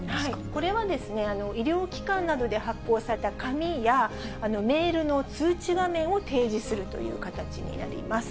これは医療機関などで発行された紙や、メールの通知画面を提示するという形になります。